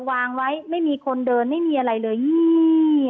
วางไว้ไม่มีคนเดินไม่มีอะไรเลยนี่